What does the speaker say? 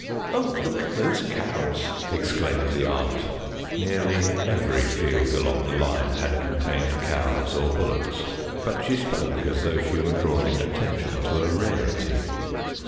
"Oh, look at those cows!" exclaimed the aunt. Nearly every field along the line had contained cows or bullocks, but she spoke as though she were drawing attention to a rarity.